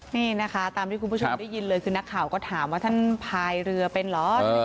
นี่นะคะตามที่คุณผู้ชมได้ยินเลยคือนักข่าวก็ถามว่าท่านพายเรือเป็นเหรอ